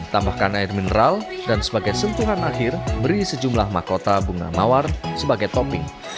tambahkan air mineral dan sebagai sentuhan akhir beri sejumlah makota bunga mawar sebagai topping